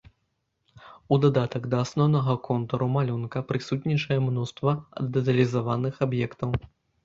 У дадатак да асноўнага контуру малюнка, прысутнічае мноства дэталізаваных аб'ектаў.